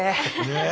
ねえ！